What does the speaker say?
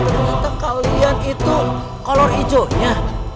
ternyata kalian itu kolor hijaunya